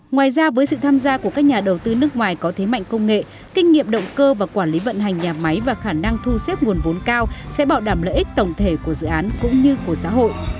ngoài ra với sự tham gia của các nhà đầu tư nước ngoài có thế mạnh công nghệ kinh nghiệm động cơ và quản lý vận hành nhà máy và khả năng thu xếp nguồn vốn cao sẽ bảo đảm lợi ích tổng thể của dự án cũng như của xã hội